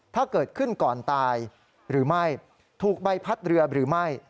ถ้าเกิดขึ้นก่อนตายหรือไม่ถูกใบพัดเรือหรือไม่